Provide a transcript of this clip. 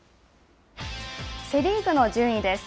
セ・リーグの順位です。